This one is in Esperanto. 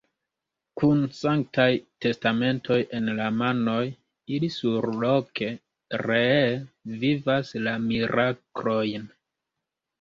Kun sanktaj testamentoj en la manoj, ili surloke ree vivas la miraklojn.